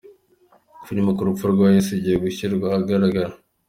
Filimi ku rupfu rwa yesu igiye gushyirwa ahagaragara